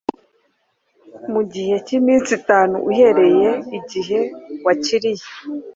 mugihe cyiminsi itanu uhereye igihe wakiriye